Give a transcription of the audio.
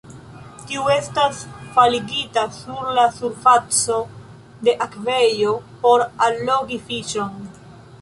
Tiu estas faligita sur la surfaco de akvejo por allogi fiŝon.